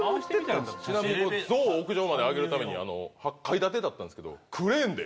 ゾウを屋上まで上げるために８階建てだったんですけどクレーンで。